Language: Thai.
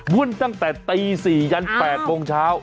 วุ่นตั้งแต่ตี๔ยัน๘โมงเช้า